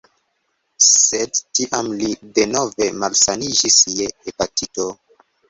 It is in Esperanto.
Sed tiam li denove malsaniĝis je hepatito.